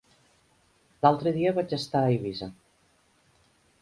L'altre dia vaig estar a Eivissa.